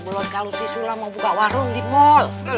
belon kalau si sulam mau buka warung di mall